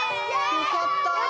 よかった！